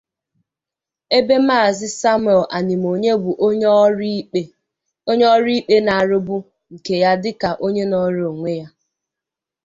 ebe Maazị Samuel Anịmonye bụ onye ọrụ ikpe na-arụbụ nke ya dịka onye nnọrọ onwe.